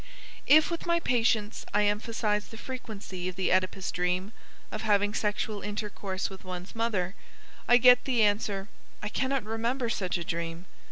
If with my patients I emphasize the frequency of the Oedipus dream of having sexual intercourse with one's mother I get the answer: "I cannot remember such a dream."